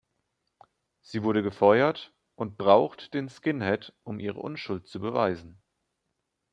Sie wurde gefeuert und braucht den Skinhead, um ihre Unschuld zu beweisen.